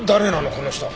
この人。